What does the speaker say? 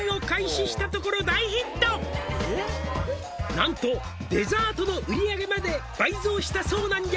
「何とデザートの売上まで倍増したそうなんじゃが」